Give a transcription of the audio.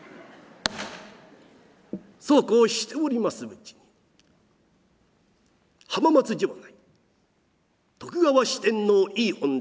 そうこうしておりまするうちに浜松城内徳川四天王井伊本多